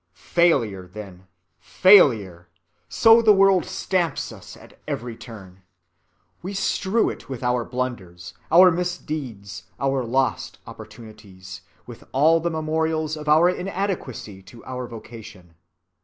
Failure, then, failure! so the world stamps us at every turn. We strew it with our blunders, our misdeeds, our lost opportunities, with all the memorials of our inadequacy to our vocation.